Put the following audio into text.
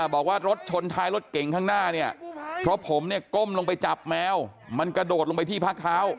บอกว่ารถชนท้ายรถเก่งข้างหน้าเนี่ยเพราะผมเนี่ยก้มลงไปจับแมวมันกระโดดลงไปที่พักเท้า